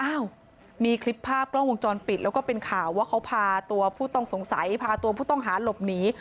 อ้าวมีคลิปภาพกล้องวงจรปิดแล้วก็เป็นข่าวว่าเขาพาตัวผู้ต้องสงสัยพาตัวผู้ต้องหาหลบหนี